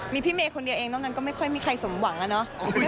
มีพี่เมคคนเดียวยังนอกนั้นสมหวังนะเนี่ย